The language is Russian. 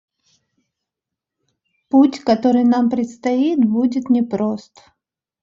Путь, который нам предстоит, будет непрост.